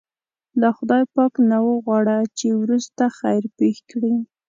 له خدای پاک نه وغواړه چې وروسته خیر پېښ کړي.